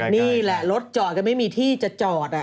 นี่แหละรถจอดกันไม่มีที่จะจอด